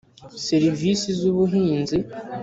Serivisi z ubuhinzi